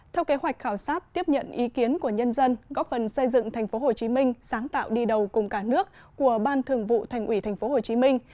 theo kế hoạch khảo sát tiếp nhận ý kiến của nhân dân góp phần xây dựng thành phố hồ chí minh sáng tạo đi đầu cùng cả nước của ban thường vụ thành ủy thành phố hồ chí minh